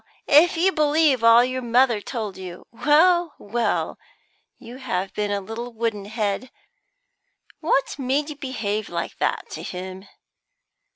"If you believe all your mother told you, Well, well, you have been a little wooden head. What made you behave like that to him?